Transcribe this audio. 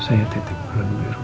saya tetap akan meru